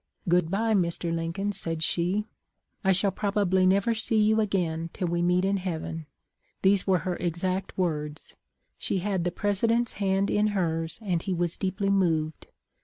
' Good bye, Mr. Lin coln,' said she ;' I shall probably never see you again till we meet in heaven.' These were her exact words. She had the President's hand in hers, and he was deeply moved.